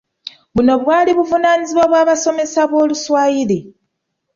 Buno bwali buvunaanyizibwa bw'abasomesa b'Oluswayiri.